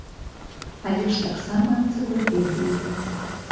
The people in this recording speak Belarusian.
Але ж таксама энцыклапедыяй.